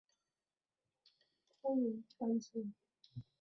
欧达列萨区是马德里人口结构最为年轻的区之一。